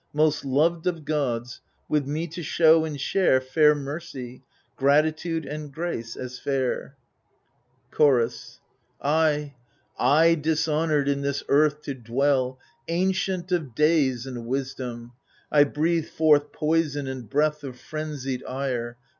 Most loved of gods, with me to show and share Fair mercy, gratitude and grace as fair. THE FURIES 175 Chorus I, I dishonoured in this earth to dwell, — Ancient of days and wisdom 1 I breathe forth Poison and breath of frenzied ire.